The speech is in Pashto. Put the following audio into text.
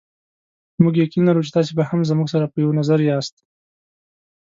موږ یقین لرو چې تاسې به هم زموږ سره په یوه نظر یاست.